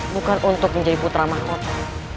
bukan untuk menjadi putra mahkota